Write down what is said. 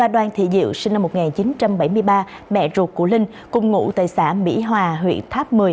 đoàn thị diệu sinh năm một nghìn chín trăm bảy mươi ba mẹ ruột của linh cùng ngụ tại xã mỹ hòa huyện tháp một mươi